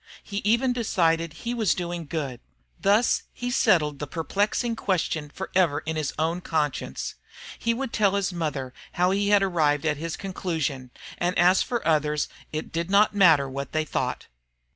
He even decided he was doing good. Thus he settled the perplexing question forever in his own conscience. He would tell his mother how he had arrived at his conclusion, and as for others it did not matter what they thought.